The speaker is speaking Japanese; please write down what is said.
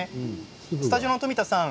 スタジオの富田さん